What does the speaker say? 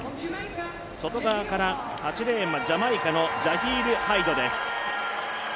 外側から８レーンはジャマイカのジャヒール・ハイドです。